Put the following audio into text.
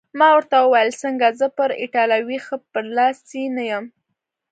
ما ورته وویل: څنګه، زه پر ایټالوي ښه برلاسی نه یم؟